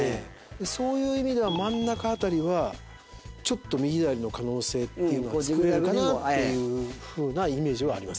そういう意味では真ん中辺りはちょっと右左の可能性っていうのは作れるかなっていうふうなイメージはあります。